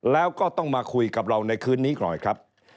แล้วก็ต้องมาคุยกับเราในคืนนี้ก่อนครับ